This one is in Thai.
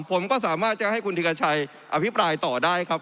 ผมก็สามารถจะให้คุณธิกาชัยอภิปรายต่อได้ครับ